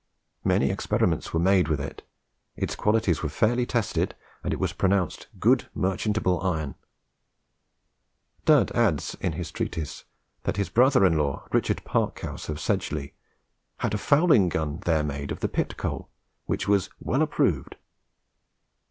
Many experiments were made with it: its qualities were fairly tested, and it was pronounced "good merchantable iron." Dud adds, in his Treatise, that his brother in law, Richard Parkshouse, of Sedgeley, "had a fowling gun there made of the Pit cole iron," which was "well approved."